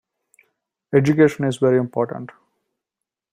Education is very important.